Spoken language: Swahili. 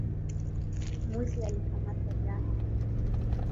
Mwizi mjanja alikamatwa